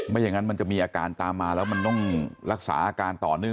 ไม่อย่างนั้นมันจะมีอาการตามมาแล้วมันต้องรักษาอาการต่อเนื่อง